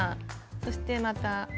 そしてまた。